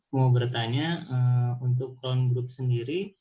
mau bertanya untuk crown group sendiri